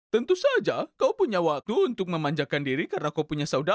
tentu saja kau punya waktu untuk memanjakan diri karena kau punya saudara